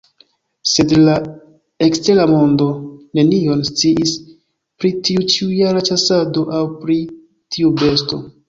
Sed la ekstera mondo nenion sciis pri tiu ĉiujara ĉasado aŭ pri tiu besto.